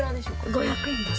５００円です。